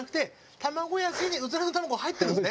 卵焼きにうずらの卵が入ってるんですね。